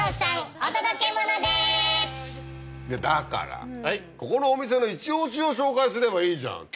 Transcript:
いやだからここのお店のイチオシを紹介すればいいじゃん。